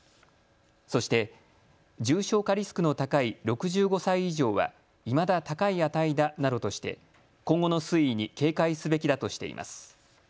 そして重症化リスクの高い６５歳以上はいまだ高い値だなどとして今後の推移に警戒すべきだとしています。